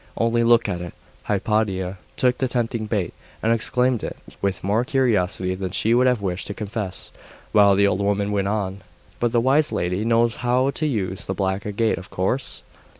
Only look at it!' Hypatia took the tempting bait, and examined it with more curiosity than she would have wished to confess; while the old woman went on 'But the wise lady knows how to use the black agate, of course?